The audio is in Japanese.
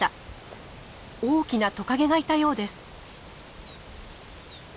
大きなトカゲがいたようです。